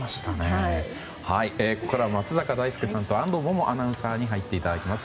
ここからは松坂大輔さんと安藤萌々アナウンサーに入っていただきます。